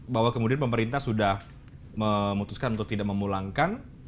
bahwa kemudian pemerintah sudah memutuskan untuk tidak memulangkan